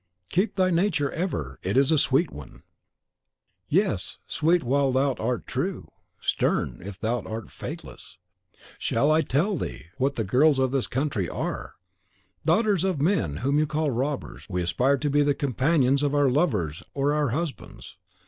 "Keep thy nature ever, it is a sweet one." "Yes, sweet while thou art true; stern, if thou art faithless. Shall I tell thee what I what the girls of this country are? Daughters of men whom you call robbers, we aspire to be the companions of our lovers or our husbands.